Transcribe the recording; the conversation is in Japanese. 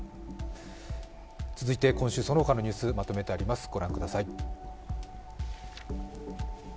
続いて今週、その他のニュースまとめてあります、ご覧ください。